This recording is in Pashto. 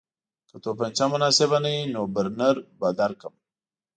که توپانچه مناسبه نه وي نو برنر به درکړم